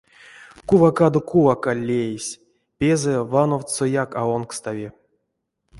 Кувакадо кувакаль леесь — пезэ вановтсояк а онкстави.